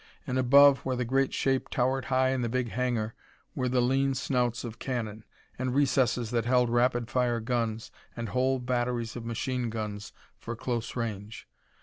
And above, where the great shape towered high in the big hangar, were the lean snouts of cannon, and recesses that held rapid fire guns and whole batteries of machine guns for close range.